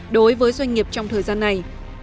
đối với doanh nghiệp trong thời gian này